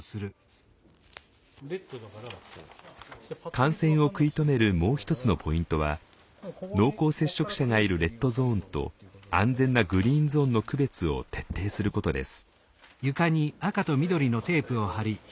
感染を食い止めるもう一つのポイントは濃厚接触者がいるレッドゾーンと安全なグリーンゾーンの区別を徹底することです。